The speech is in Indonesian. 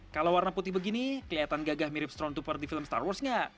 kalau warna putih begini kelihatan gagah mirip strone tur di film star wars nggak